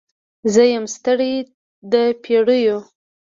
زه یم ستړې د پیړیو